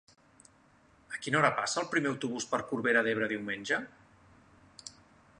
A quina hora passa el primer autobús per Corbera d'Ebre diumenge?